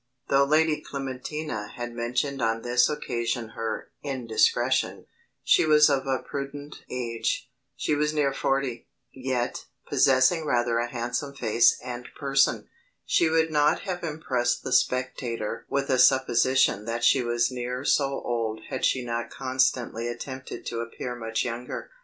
Though Lady Clementina had mentioned on this occasion her indiscretion, she was of a prudent age she was near forty yet, possessing rather a handsome face and person, she would not have impressed the spectator with a supposition that she was near so old had she not constantly attempted to appear much younger.